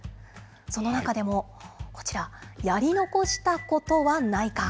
その中でもこちら、やり残したことはないか。